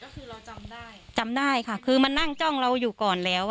ก็คือเราจำได้จำได้ค่ะคือมันนั่งจ้องเราอยู่ก่อนแล้ว